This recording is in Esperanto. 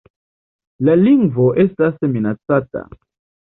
La lingvo estas minacata.